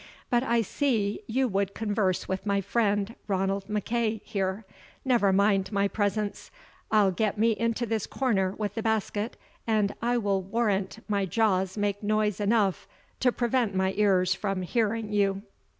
But I see you would converse with my friend, Ranald MacEagh here. Never mind my presence; I'll get me into this corner with the basket, and I will warrant my jaws make noise enough to prevent my ears from hearing you."